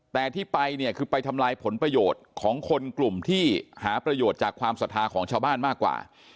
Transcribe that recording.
แต่ที่ไปเนี่ยคือไปทำลายผลประโยชน์ของคนกลุ่มที่หาประโยชน์จากความศรัทธาของชาวบ้านมากกว่า